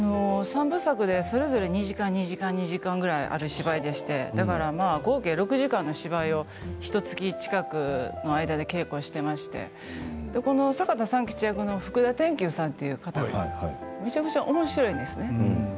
三部作でそれぞれ２時間２時間、２時間くらいある芝居で合計６時間の芝居をひとつき近くで稽古していましてこの坂田三吉役の福田転球さんという方が、めちゃくちゃおもしろいんですね。